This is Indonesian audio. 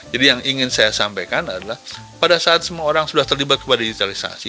jadi yang ingin saya sampaikan adalah pada saat semua orang sudah terlibat kepada digitalisasi